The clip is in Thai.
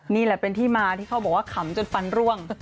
นี่แหละเป็นที่มาที่เขาบอกว่าขำจนฟันร่วง